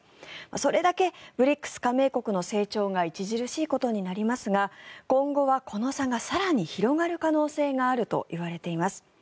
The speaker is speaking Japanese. それだけＢＲＩＣＳ加盟国の成長が著しいことになりますが今後はこの差が更に広がる可能性があるといわれています。